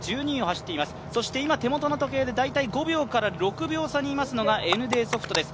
そして今手元の時計で５秒から６秒差にいますのがＮＤソフトです。